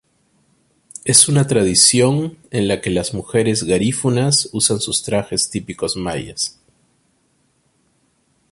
Es una tradición en la que las mujeres garífunas usan sus trajes típicos mayas.